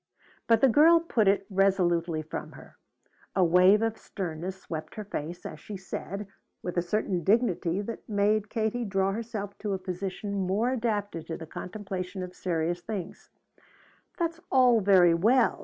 But the girl put it resolutely from her. A wave of sternness swept her face as she said, with a certain dignity that made Katie draw herself to a position more adapted to the contemplation of serious things: "That's all very well.